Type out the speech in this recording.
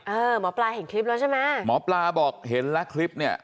หมอปลาเห็นคลิปแล้วใช่ไหมหมอปลาบอกเห็นแล้วคลิปเนี่ย